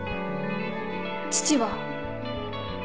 父は？